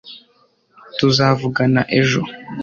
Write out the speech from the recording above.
tuzavugana ejo